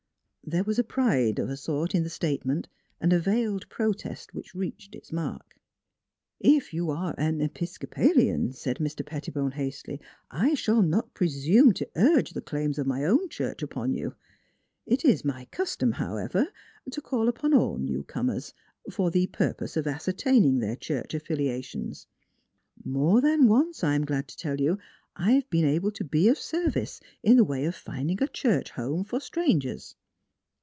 There was pride, of a sort, in the state ment and a veiled protest which reached its mark. " If you are an Episcopalian," said Mr. Petti bone hastily, " I shall not presume to urge the claims of my own church upon you. It is my custom, however, to call upon all newcomers, for the purpose of ascertaining their church affilia tions. More than once, I am glad to tell you, I have been able to be of service, in the way of find ing a church home for strangers."